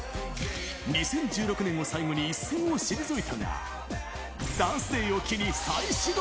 ２０１６年を最後に、一線を退いたが、ＤＡＮＣＥＤＡＹを機に再始動。